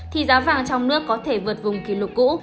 thì giá vàng trong nước có thể vượt vùng kỷ lục cũ